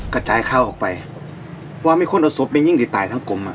กระจายเข้าออกไปว่าไม่คนอดสุปเป็นยิ่งกี่ตายทั้งกรม